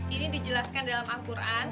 ini dijelaskan dalam al quran